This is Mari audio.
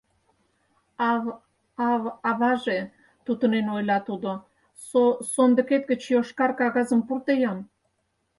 — Ав-ав... аваже, — тутынен ойла тудо, — со-сондыкет гыч йошкар кагазым пурто-ян.